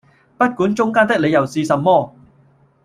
不管中間的理由是什麼！